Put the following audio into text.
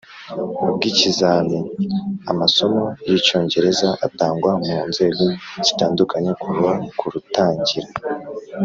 bw ikizami Amasomo y Icyongereza atangwa mu nzego zitandukanye kuva ku rutangira